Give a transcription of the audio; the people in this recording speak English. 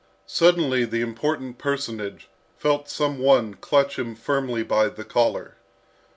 Suddenly the important personage felt some one clutch him firmly by the collar.